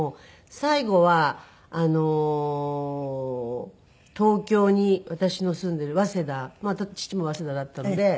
最後は東京に私の住んでいる早稲田父も早稲田だったので。